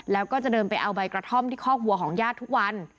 แล้วก็จะเดินไปเอาใบกระท่อมที่คอกวัวของญาติทุกวัน